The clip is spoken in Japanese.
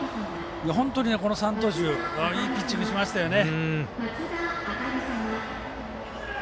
本当に、この３投手いいピッチングしましたよね。